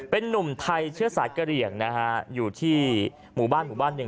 เป็นนุ่มไทยเชื่อสัตว์เกรียงอยู่ที่หมู่บ้านหนึ่ง